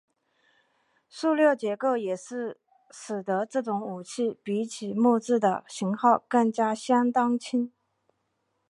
塑料结构也使得这种武器比起木制的型号更是相当轻。